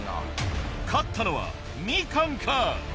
勝ったのはみかんか？